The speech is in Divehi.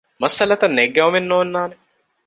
މައްސަލަތައް ނެތް ގައުމެއް ނޯންނާނެ